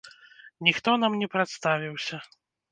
Ніхто нам не прадставіўся.